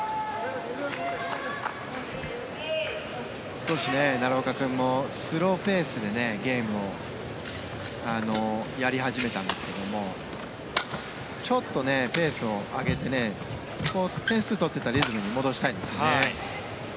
少し奈良岡君もスローペースでゲームをやり始めたんですがちょっとペースを上げて点数取っていたリズムに戻したいんですね。